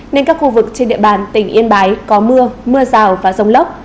nên các khu vực trên địa bàn tỉnh yên bái có mưa mưa rào và rông lốc